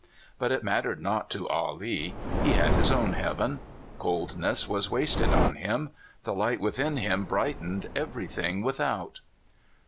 But it mattered not to Ah Lee ; he had his own heaven. Coldness was wasted on him. The light within him brightened every thing without.